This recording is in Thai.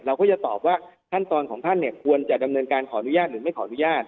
เราก็จะตอบว่าขั้นตอนของท่านเนี่ยควรจะดำเนินการขออนุญาตหรือไม่ขออนุญาต